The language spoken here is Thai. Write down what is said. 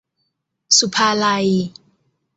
ศุภาลัย